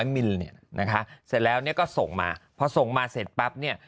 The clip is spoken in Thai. มินเนี่ยนะคะเสร็จแล้วเนี่ยก็ส่งมาพอส่งมาเสร็จปั๊บเนี่ย